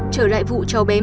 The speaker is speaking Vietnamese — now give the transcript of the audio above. trở lại vụ chó bé mất tích